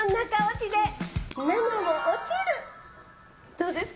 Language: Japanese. どうですか？